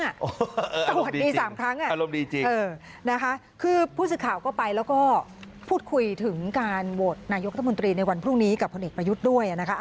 สวัสดี๓ครั้งอารมณ์ดีจริงนะคะคือผู้สื่อข่าวก็ไปแล้วก็พูดคุยถึงการโหวตนายกรัฐมนตรีในวันพรุ่งนี้กับพลเอกประยุทธ์ด้วยนะคะ